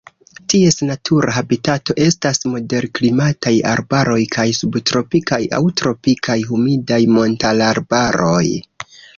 Ties natura habitato estas moderklimataj arbaroj kaj subtropikaj aŭ tropikaj humidaj montararbaroj.